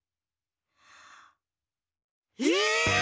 え！？